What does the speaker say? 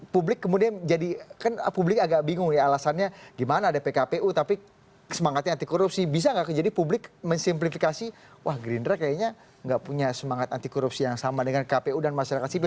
publik kemudian jadi kan publik agak bingung ya alasannya gimana ada pkpu tapi semangatnya anti korupsi bisa nggak jadi publik mensimplifikasi wah gerindra kayaknya nggak punya semangat anti korupsi yang sama dengan kpu dan masyarakat sipil